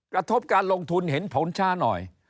กระทบการลงทุนเห็นผลช้าหน่อย